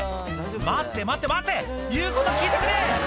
「待て待て待て言うこと聞いてくれ！」